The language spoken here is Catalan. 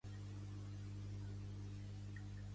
Per què no m'acceptes la frase?